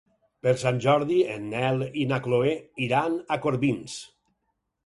Per Sant Jordi en Nel i na Chloé iran a Corbins.